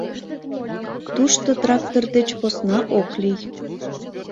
Тушто трактор деч посна ок лий.